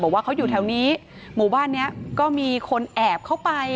บอกว่าเขาอยู่แถวนี้หมู่บ้านนี้ก็มีคนแอบเข้าไป